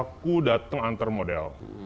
aku datang antar model